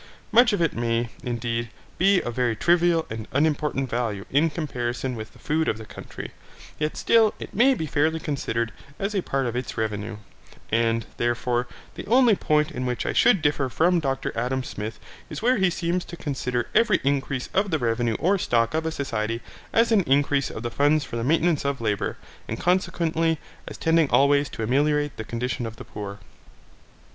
Much of it may, indeed, be of very trivial and unimportant value in comparison with the food of the country, yet still it may be fairly considered as a part of its revenue; and, therefore, the only point in which I should differ from Dr Adam Smith is where he seems to consider every increase of the revenue or stock of a society as an increase of the funds for the maintenance of labour, and consequently as tending always to ameliorate the condition of the poor.